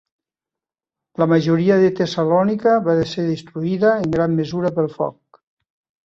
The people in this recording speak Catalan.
La majoria de Tessalònica va ser destruïda en gran mesura pel foc.